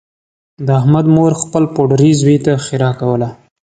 د احمد مور خپل پوډري زوی ته ښېرا کوله